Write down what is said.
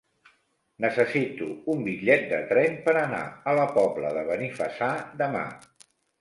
Necessito un bitllet de tren per anar a la Pobla de Benifassà demà.